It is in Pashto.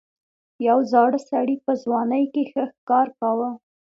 یو زاړه سړي په ځوانۍ کې ښه ښکار کاوه.